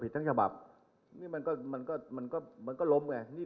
ผิดทั้งฉบรับนี่มันก็มันก็มันก็มันก็ลมไงนี่